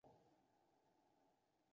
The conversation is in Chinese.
最后转任澶州总管。